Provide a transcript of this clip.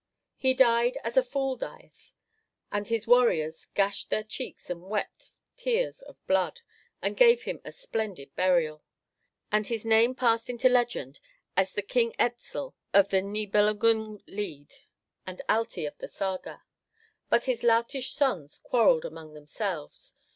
He died as a fool dieth; and his warriors gashed their cheeks and wept tears of blood, and gave him a splendid burial. And his name passed into legend as the King Etzel of the Niebelungen Lied, and Alti of the Saga. But his "loutish sons" quarrelled among themselves.